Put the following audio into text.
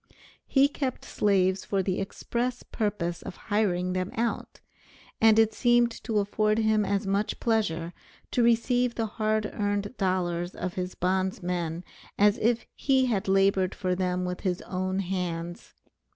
He kept slaves for the express purpose of hiring them out, and it seemed to afford him as much pleasure to receive the hard earned dollars of his bondmen as if he had labored for them with his own hands.